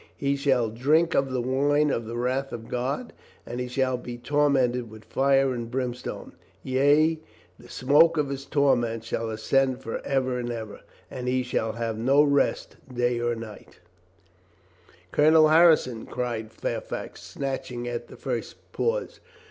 He shall drink of the wine of the wrath of God and he shall be tormented with fire and brimstone; yea, the smoke of his torment shall ascend for ever and ever, and he shall have no rest day nor night." 438 COLONEL GREATHEART "Colonel Harrison?" cried Fairfax, snatching at the first pause.